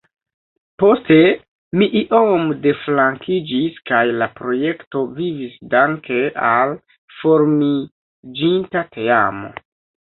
Poste mi iom deflankiĝis, kaj la projekto vivis danke al formiĝinta teamo.